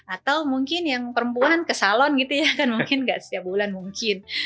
atau mungkin yang perempuan ke salon gitu ya kan mungkin nggak setiap bulan mungkin